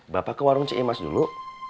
bapak ke warung cik imas dulu